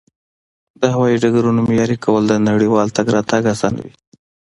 د هوایي ډګرونو معیاري کول نړیوال تګ راتګ اسانوي.